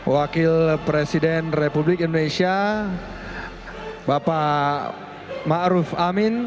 wakil presiden republik indonesia bapak ma'ruf amin